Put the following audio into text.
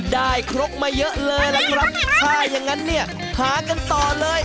ครกมาเยอะเลยล่ะครับถ้าอย่างงั้นเนี่ยหากันต่อเลย